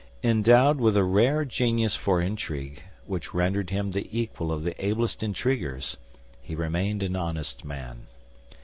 Endowed with a rare genius for intrigue which rendered him the equal of the ablest intriguers, he remained an honest man.